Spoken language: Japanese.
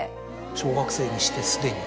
小学生にしてすでに。